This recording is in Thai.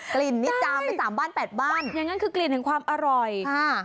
กลิ่นนี่จามไปสามบ้านแปดบ้านอย่างนั้นคือกลิ่นแห่งความอร่อยค่ะ